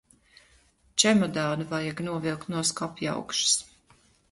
Čemodānu vajag novilkt no skapjaugšas.